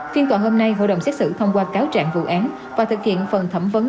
phiên tòa hôm nay hội đồng xét xử thông qua cáo trạng vụ án và thực hiện phần thẩm vấn